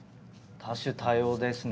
多種多様ですね